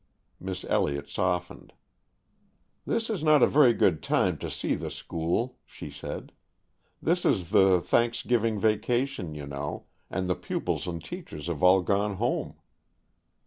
Miss Elliott softened. "This is not a very good time to see the school," she said. "This is the Thanksgiving vacation, you know, and the pupils and teachers have all gone home."